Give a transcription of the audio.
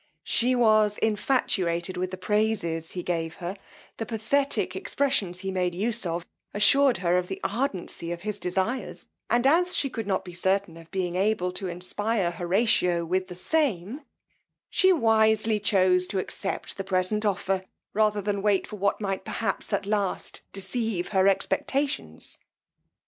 She was infatuated with the praises he gave her; the pathetic expressions he made use of, assured her of the ardency of his desires, and as she could not be certain of being able to inspire Horatio with the same, she wisely chose to accept the present offer, rather than wait for what might perhaps at last deceive her expectations.